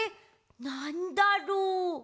なんだろう？